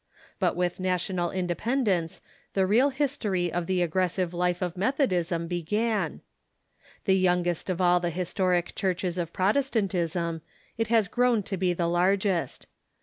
But with national inde pendence the real history of the aggressive life of Methodism began. The youngest of all the historic churches of Protes tantism, it has grown to be the largest.